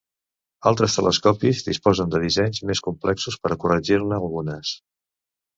Alguns telescopis disposen de dissenys més complexos per a corregir-ne algunes.